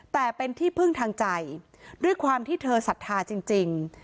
แต่เป็นที่พึ่งทางใจด้วยความที่เธอศรัทธาจริง